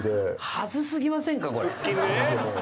恥ずすぎませんかこれ。